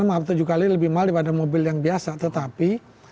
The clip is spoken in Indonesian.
maaf tujuh kali lebih mahal daripada mobil yang biasa tetapi